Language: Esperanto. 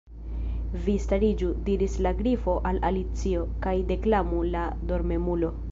"Vi stariĝu," diris la Grifo al Alicio, "kaj deklamu ' la Dormemulo.'"